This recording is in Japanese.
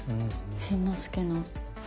新之助の。